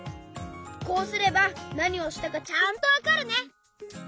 こうすればなにをしたかちゃんとわかるね！